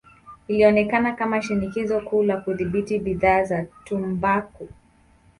Ilionekana kama shinikizo kuu la kudhibiti bidhaa za tumbaku.